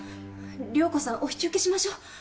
涼子さんお引き受けしましょ。